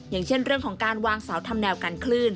อย่างเช่นเรื่องของการวางเสาทำแนวกันคลื่น